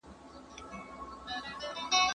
راستي زوال نه لري.